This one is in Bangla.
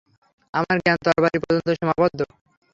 আমার জ্ঞান তরবারি পর্যন্ত সীমাবদ্ধ।